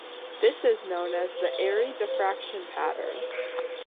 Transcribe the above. This is known as the Airy diffraction pattern.